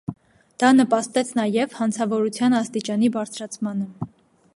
Դա նպաստեց նաև հանցավորության աստիճանի բարձրացմանը։